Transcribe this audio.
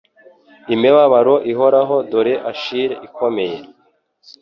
imibabaro ihoraho dore Achille ikomeye